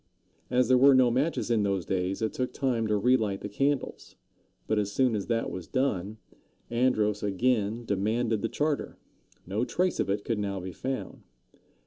As there were no matches in those days, it took time to relight the candles; but as soon as that was done, Andros again demanded the charter. No trace of it could now be found.